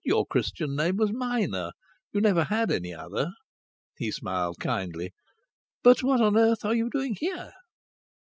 "Your Christian name was Minor. You never had any other!" He smiled kindly. "But what on earth are you doing here?"